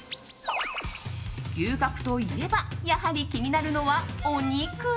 牛角といえばやはり気になるのは、お肉。